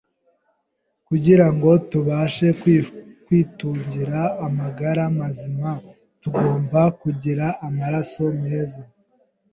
Kugirango tubashe kwitungira amagara mazima, tugomba kugira amaraso meza;